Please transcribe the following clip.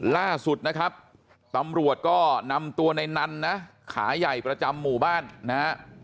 ล่าสุดนะครับตำรวจก็นำตัวในนันนะขาใหญ่ประจำหมู่บ้านนะฮะ